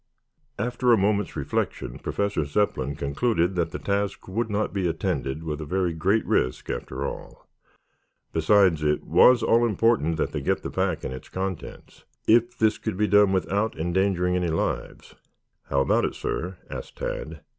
After a moment's reflection Professor Zepplin concluded that the task would not be attended with a very great risk after all. Besides, it was all important that they get the pack and its contents, if this could be done without endangering any lives. "How about it, sir?" asked Tad.